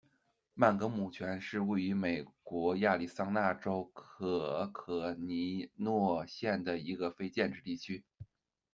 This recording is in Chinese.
曼格姆泉是位于美国亚利桑那州可可尼诺县的一个非建制地区。